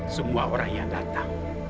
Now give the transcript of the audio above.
semua orang yang datang